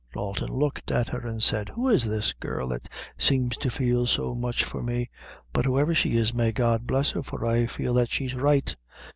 Dalton looked at her, and said: "Who is this girl that seems to feel so much for me? but whoever she is, may God bless her, for I feel that she's right.